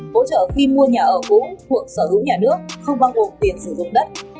hỗ trợ khi mua nhà ở cũ thuộc sở hữu nhà nước không băng bộ tiền sử dụng đất